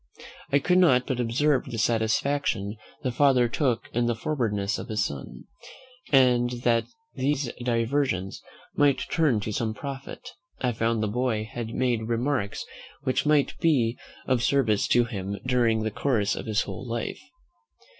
I could not but observe the satisfaction the father took in the forwardness of his son; and that these diversions might turn to some profit, I found the boy had made remarks which might be of service to him during the course of his whole life.